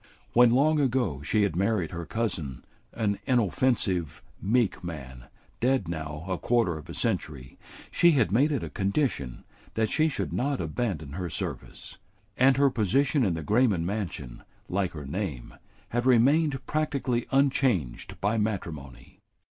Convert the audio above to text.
When long ago she had married her cousin, an inoffensive, meek man, dead now a quarter of a century, she had made it a condition that she should not abandon her service; and her position in the Grayman mansion, like her name, had remained practically unchanged by matrimony.